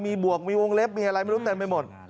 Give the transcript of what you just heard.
มีบวกวงเล็กมีอะไรไม่รู้แต่ไม่หมด